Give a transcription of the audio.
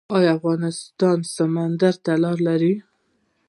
آیا افغانستان سمندر ته لاره لري؟